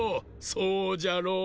そうじゃろう。